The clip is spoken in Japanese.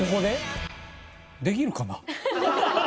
できるかな？